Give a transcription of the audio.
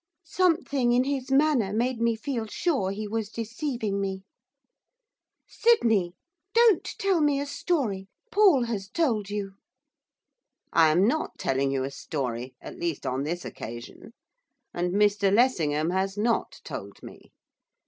Something in his manner made me feel sure he was deceiving me. 'Sydney! Don't tell me a story! Paul has told you!' 'I am not telling you a story, at least, on this occasion; and Mr Lessingham has not told me.